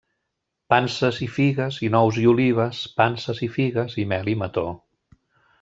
Panses i figues i nous i olives, panses i figues i mel i mató.